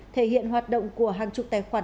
thể hiện hoạt động của hàng chục tài khoản